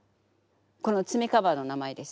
この爪カバーの名前です。